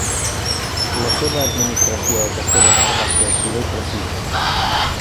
La seva administració a Castella d'Or va ser activa i precisa.